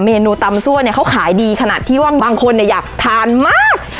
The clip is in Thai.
เนูตำซั่วเนี่ยเขาขายดีขนาดที่ว่าบางคนอยากทานมาก